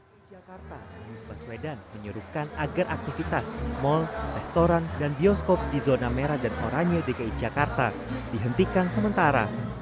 di jakarta anies baswedan menyuruhkan agar aktivitas mal restoran dan bioskop di zona merah dan oranye dki jakarta dihentikan sementara